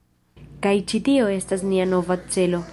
Kaj ĉi tio estas nia nova celo